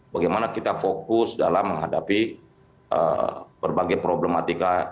bagaimana kita fokus dalam menghadapi berbagai problematika